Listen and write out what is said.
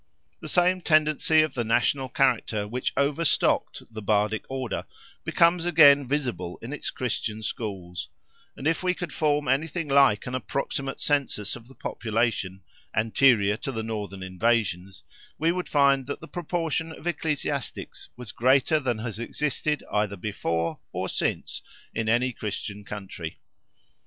The same tendency of the national character which overstocked the Bardic Order, becomes again visible in its Christian schools; and if we could form anything like an approximate census of the population, anterior to the northern invasions, we would find that the proportion of ecclesiastics was greater than has existed either before or since in any Christian country.